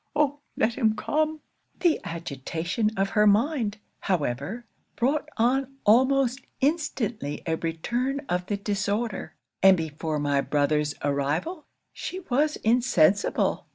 Oh! let him come!" 'The agitation of her mind, however, brought on almost instantly a return of the disorder; and before my brother's arrival, she was insensible.